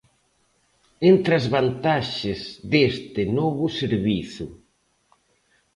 Entre as vantaxes deste novo servizo.